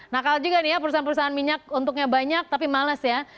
nakal juga nih ya perusahaan perusahaan minyak untuknya banyak tapi males ya